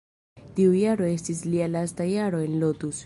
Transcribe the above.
Tiu jaro estis lia lasta jaro en Lotus.